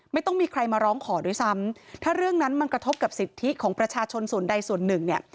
ไม่ต้องมีใครมาร้องขอด้วยซ้ำถ้าเรื่องนั้นมันกระทบกับสิทธิของประชาชนส่วนใดส่วนหนึ่งเนี่ย